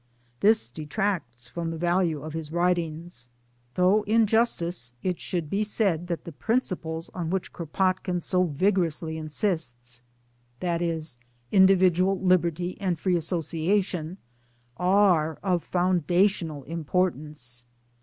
This detracts from the value of the writings ; though 220 MY DAYS AND DREAMS in justice it should be said that the principles on which Kropotkin so vigorously insists i.e. individual liberty and free association are of foundational im portance.